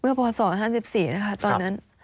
เมื่อพอสองห้าสิบสี่นะครับตอนนั้น